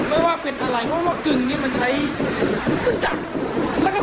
ไม่ว่าคืนอะไรเพราะว่ากรึงนี้มันใช้คืนจับแล้วก็